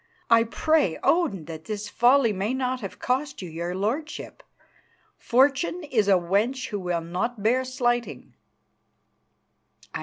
I pray Odin that this folly may not have cost you your lordship. Fortune is a wench who will not bear slighting."